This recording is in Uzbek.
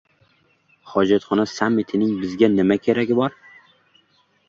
Hojatxona sammitining bizga nima keragi bor?